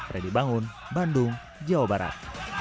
reddy bangun bandung jawa barat